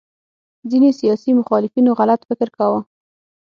ځینې سیاسي مخالفینو غلط فکر کاوه